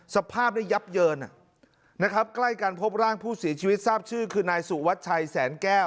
สภาพได้ยับเยินนะครับใกล้กันพบร่างผู้เสียชีวิตทราบชื่อคือนายสุวัชชัยแสนแก้ว